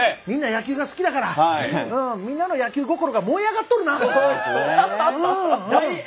みんな野球が好きだからみんなの野球心が燃え上がっとるな！